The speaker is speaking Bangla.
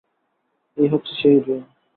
এই হচ্ছে সেই রিং।